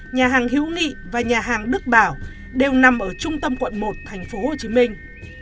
nhà hàng hữu nghị và nhà hàng đức bảo đều nằm ở trung tâm quận một thành phố hồ chí minh